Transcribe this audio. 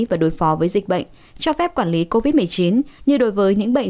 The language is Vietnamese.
và đối phó với dịch bệnh cho phép quản lý covid một mươi chín như đối với những bệnh